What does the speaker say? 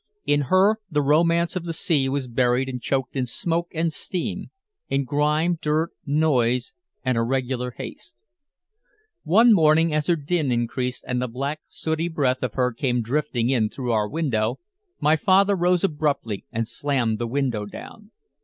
In her the romance of the sea was buried and choked in smoke and steam, in grime, dirt, noise and a regular haste. One morning as her din increased and the black, sooty breath of her came drifting in through our window, my father rose abruptly and slammed the window down.